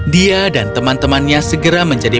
dia dan teman temannya segera berjalan ke tempat yang lain